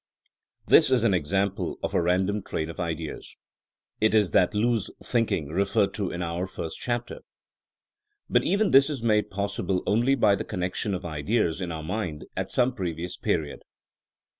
This is an example of a random train of ideas. It is that loose thinking'' referred to in our first chapter. But even this is made possible 70 THINKINa AS A 80IEN0E only by the connection of ideas in our mind at some previous period.